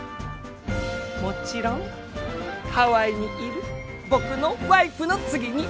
もちろんハワイにいる僕のワイフの次に！